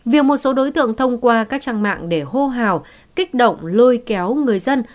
việc một số đối tượng thông qua các trang mạng để hô hào kích động lôi kéo người dân